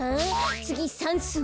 つぎさんすう！